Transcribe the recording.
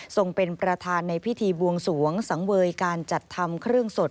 เป็นประธานในพิธีบวงสวงสังเวยการจัดทำเครื่องสด